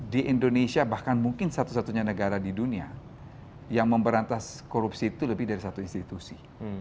di indonesia bahkan mungkin satu satunya negara di dunia yang memberantas korupsi itu lebih dari satu institusi